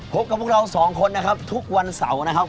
พบกับพวกเราสองคนนะครับทุกวันเสาร์นะครับ